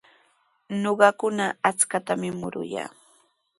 Ñuqakuna achkatami muruyaa.